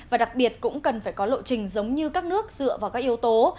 và đặc biệt cũng cần phải có lộ trình giống như các nước dựa vào các yếu tố